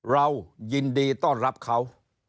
เรายินดีต้อนรับเขา